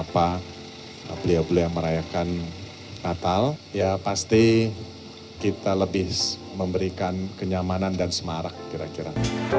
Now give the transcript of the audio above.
kalau beliau beliau yang merayakan natal ya pasti kita lebih memberikan kenyamanan dan semarak kira kira